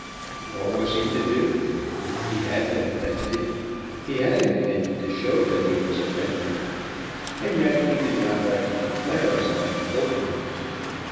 What was he to do? He had been offended. He had intended to show that he was offended. And yet he did not like to declare as much openly.